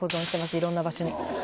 いろんな場所に。